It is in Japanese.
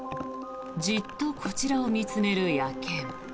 じっとこちらを見つめる野犬。